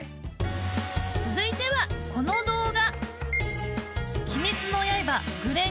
続いてはこの動画。